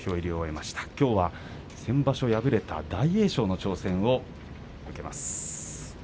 きょうは、先場所敗れた大栄翔の挑戦を受けます。